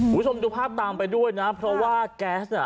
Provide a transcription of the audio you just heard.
คุณผู้ชมดูภาพตามไปด้วยนะเพราะว่าแก๊สน่ะ